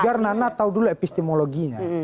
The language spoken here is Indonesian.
biar nana tahu dulu epistemologinya